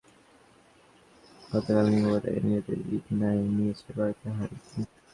বরগুনার আদালতের নির্দেশে গতকাল মঙ্গলবার তাকে নিজেদের জিম্মায় নিয়েছে ভারতীয় হাইকমিশন।